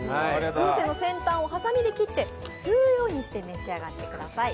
風船の先端をはさみで切って吸うように召し上がってください。